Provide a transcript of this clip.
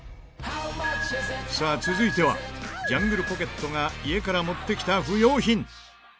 さあ続いてはジャングルポケットが家から持ってきた不要品。